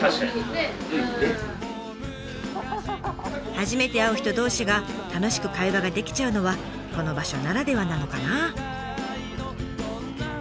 初めて会う人同士が楽しく会話ができちゃうのはこの場所ならではなのかな！